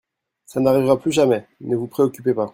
Ça n'arrivera plus jamais. Ne vous préoccupez pas.